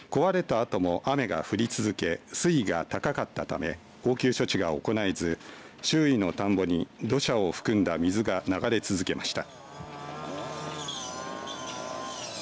あとも雨が降り続け水位が高かったため応急処置が行えず周囲の田んぼに土砂を含んだ水が流れ続けました。